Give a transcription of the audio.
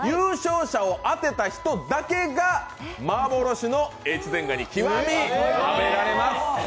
優勝者を当てた人だけが幻の越前がに極を食べられます。